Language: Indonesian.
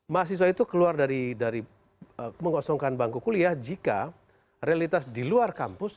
mahasiswa itu keluar dari mengosongkan bangku kuliah jika realitas di luar kampus